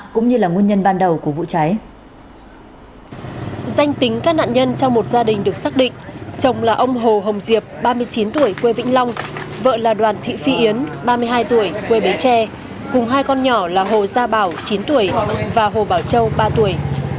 cùng hai con nhỏ là hồ gia bảo chín tuổi và hồ bảo châu ba tuổi